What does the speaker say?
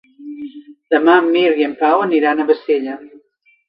Demà en Mirt i en Pau aniran a Bassella.